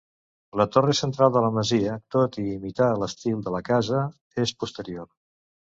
La torre central de la masia, tot i imitar l'estil de la casa, és posterior.